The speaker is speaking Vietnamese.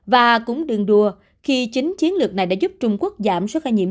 và cũng đừng đùa khi chính chiến lược này đã giúp trung quốc giảm số ca nhiễm